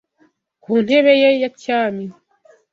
ku ntebe ye ya cyami